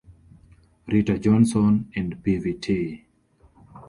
Rita Johnson and Pvt.